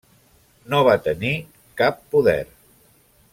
No va tenir cap poder.